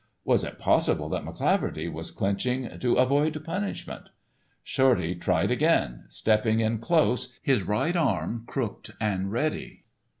Was it possible that McCleaverty was clinching "to avoid punishment." Shorty tried again, stepping in close, his right arm crooked and ready.